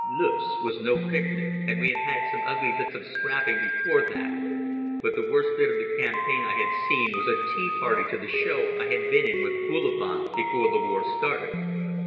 Loos was no picnic, and we had had some ugly bits of scrapping before that, but the worst bit of the campaign I had seen was a tea party to the show I had been in with Bullivant before the war started.